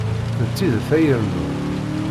D tidet ay irennun.